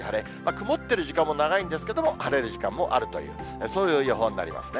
曇ってる時間も長いんですけども、晴れる時間もあるという、そういう予報になりますね。